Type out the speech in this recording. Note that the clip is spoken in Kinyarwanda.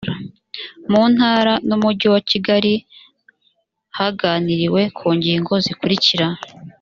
mu ntara n umujyi wa kigali haganiriwe ku ngingo zikurikira